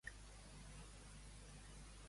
Qui va succeir com a rei a Anaxàgoras?